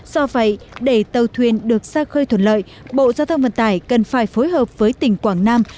do vậy để tàu thuyền được xa khơi thuận lợi bộ giao thông vận tải cần phải phối hợp với tỉnh quảng nam